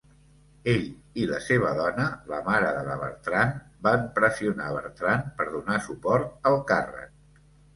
Ell i la seva dona, la mare de la Bertrande, van pressionar Bertrande per donar suport al càrrec.